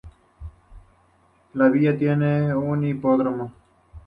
La villa tiene un hipódromo.